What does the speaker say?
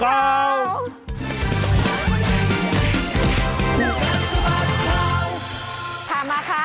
ค่ะมาค่ะ